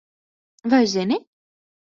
Vai zini?